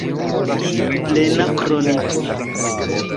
Plena kroniko.